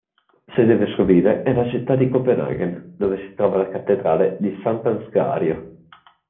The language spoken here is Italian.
Sede vescovile è la città di Copenaghen, dove si trova la cattedrale di Sant'Ansgario.